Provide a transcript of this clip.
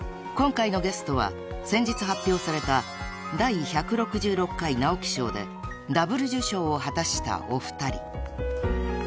今回のゲストは先日発表された第１６６回直木賞でダブル受賞を果たしたお二人］